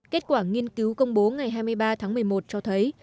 kết quả nghiên cứu công bố ngày hai mươi ba tháng một mươi một cho thấy